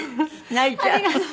泣いちゃう。